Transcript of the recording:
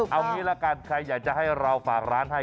เอางี้ละกันใครอยากจะให้เราฝากร้านให้